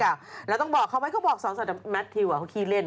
แค่นี้นะแล้วต้องบอกเขาไหมเขาบอกส่องสนุนแมทฮิลเขาขี้เล่น